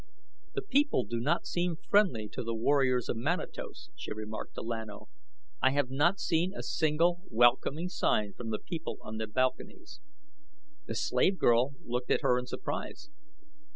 "The people do not seem friendly to the warriors of Manatos," she remarked to Lan O; "I have not seen a single welcoming sign from the people on the balconies." The slave girl looked at her in surprise.